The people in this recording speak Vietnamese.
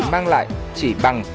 mang lại chỉ bằng